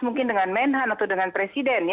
mungkin dengan menhan atau dengan presiden